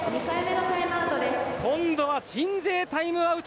今度は鎮西タイムアウト